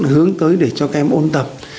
hướng tới để cho các em ôn tập